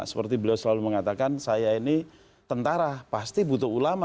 seperti beliau selalu mengatakan saya ini tentara pasti butuh ulama